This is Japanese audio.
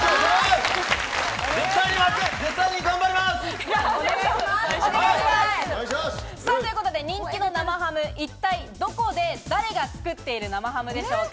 絶対に頑張ります！ということで、人気の生ハム、一体どこで誰が造ってる生ハムでしょうか？